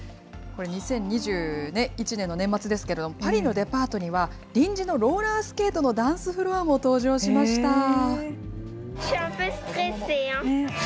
これ、２０２１年の年末ですけれども、パリのデパートには、臨時のローラースケートのダンスフロアも登場しました。